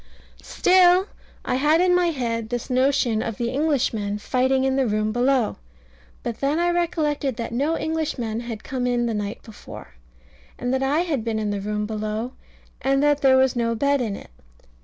Still I had in my head this notion of the Englishmen fighting in the room below. But then I recollected that no Englishmen had come in the night before, and that I had been in the room below, and that there was no bed in it.